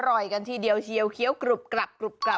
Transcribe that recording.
อร่อยกันที่เดียวเคียวเกลียวกลับ